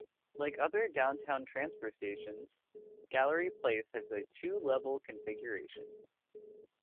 Like other downtown transfer stations, Gallery Place has a two-level configuration.